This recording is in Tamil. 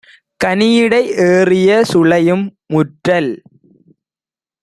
கனியிடை ஏறிய சுளையும் - முற்றல்